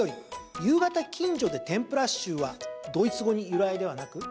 夕方近所で天ぷら臭はドイツ語に由来ではなく？